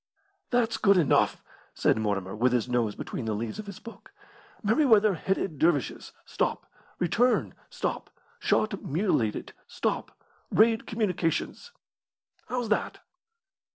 "That's good enough," said Mortimer, with his nose between the leaves of his book. "'Merryweather headed dervishes stop return stop shot mutilated stop raid communications.' How's that?"